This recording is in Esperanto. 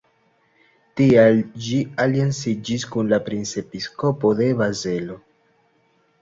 Tial ĝi alianciĝis kun la princepiskopo de Bazelo.